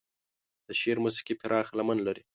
د شعر موسيقي پراخه لمن لري.